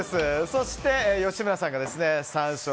そして吉村さんが３勝。